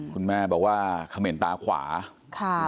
คุณแม่บอกว่าเขม่นตาขวาค่ะ